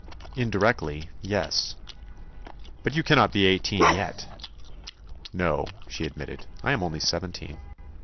"Indirectly; yes." "But you cannot be eighteen yet!" "No," she admitted; "I am only seventeen."